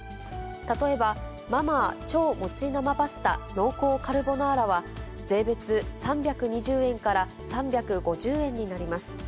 例えば、マ・マー超もち生パスタ濃厚カルボナーラは、税別３２０円から３５０円になります。